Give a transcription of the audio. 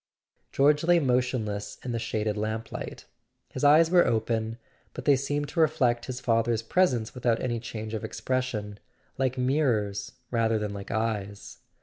George lay motionless in the shaded lamplight: his eyes were open, but they seemed to reflect his father's presence without any change of expression, like mirrors rather than like eyes.